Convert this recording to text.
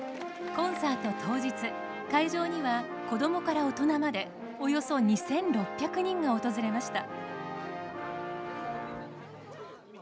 コンサート当日会場には子供から大人までおよそ２，６００人が訪れました。